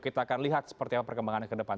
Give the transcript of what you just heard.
kita akan lihat seperti apa perkembangannya ke depan